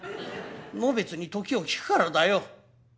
のべつに時を聞くからだよ。